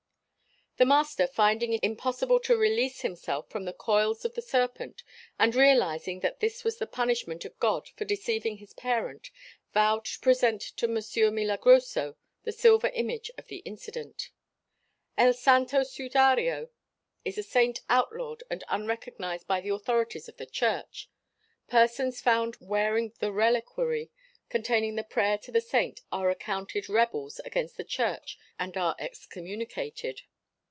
The master finding it impossible to release himself from the coils of the serpent and realising that this was the punishment of God for deceiving his parent vowed to present the Señor Milagroso a silver image of the incident. El Santo Sudario is a saint out lawed and unrecognized by the authorities of the church; persons found wearing the reliquary containing the prayer to the saint are accounted rebels against the church and are excommunicated.